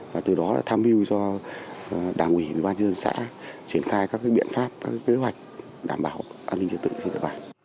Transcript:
và từ đó tham hiu cho đảng ủy bàn chức dân xã triển khai các biện pháp các kế hoạch đảm bảo an ninh trật tự